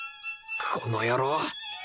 この野郎！